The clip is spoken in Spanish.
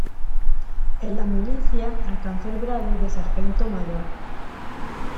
En las milicias alcanzó el grado de Sargento Mayor.